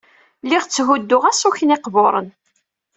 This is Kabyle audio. Lliɣ tthudduɣ aṣuken iqburen.